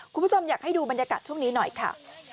คุณผู้ชมอยากให้ดูบรรยากาศช่วงนี้หน่อยค่ะ